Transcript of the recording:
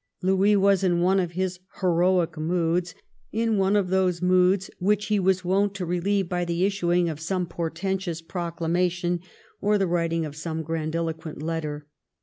Louis was in one of his heroic moods, in one of those moods which he was wont to relieve by the issuing of some portentous proclamation or the writing of some grandiloquent letter.